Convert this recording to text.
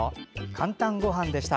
「かんたんごはん」でした。